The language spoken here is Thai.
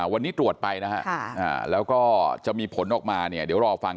วันนี้ตรวจไปนะฮะแล้วก็จะมีผลออกมาเนี่ยเดี๋ยวรอฟัง